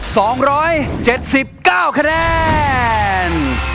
สองร้อยเจ็ดสิบเก้าคะแนน